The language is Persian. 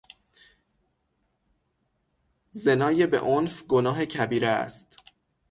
زنای به عنف، گناه کبیره است.